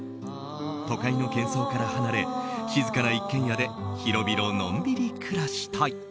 都会の喧騒から離れ静かな一軒家で広々のんびり暮らしたい。